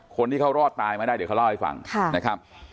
คนที่เขารอดตายมาได้เดี๋ยวเขาเล่าให้ฟังนะครับ